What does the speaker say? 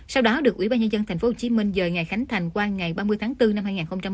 sau đó được ubnd tp hcm dời ngày khánh thành qua ngày ba mươi tháng bốn năm hai nghìn một mươi sáu